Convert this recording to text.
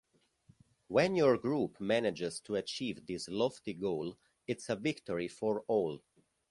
When your group manages to achieve this lofty goal, it's a victory for all.